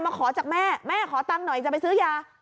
ขอจากแม่แม่ขอตังค์หน่อยจะไปซื้อยา